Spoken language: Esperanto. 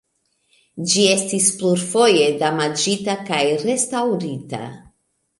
Ĝi estis plurfoje damaĝita kaj restaŭrita.